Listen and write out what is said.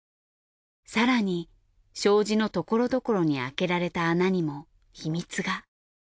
更に障子のところどころに開けられた穴にも秘密が。